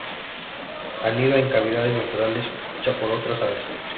Anida en cavidades naturales o hecha por otras aves.